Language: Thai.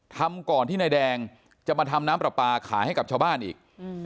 ทำก่อนที่นายแดงจะมาทำน้ำปลาปลาขายให้กับชาวบ้านอีก